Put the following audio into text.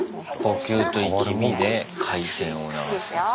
呼吸といきみで回転を促すのか。